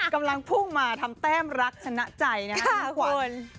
กำลังพุ่งมาทำแต้มรักชนะใจนะครับ